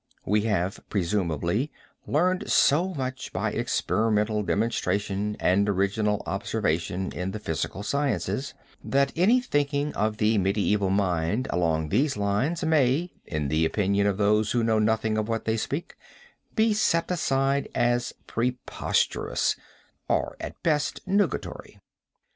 We have presumably, learned so much by experimental demonstration and original observation in the physical sciences, that any thinking of the medieval mind along these lines may, in the opinion of those who know nothing of what they speak, be set aside as preposterous, or at best nugatory.